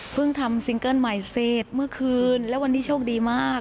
ทำซิงเกิ้ลใหม่เสร็จเมื่อคืนแล้ววันนี้โชคดีมาก